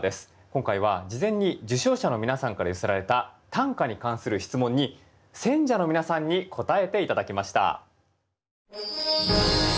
今回は事前に受賞者の皆さんから寄せられた短歌に関する質問に選者の皆さんに答えて頂きました。